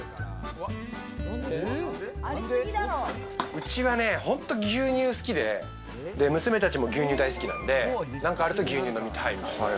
うちはね、本当牛乳好きで、娘たちも牛乳大好きなんで、何かあると牛乳飲みたいみたいな。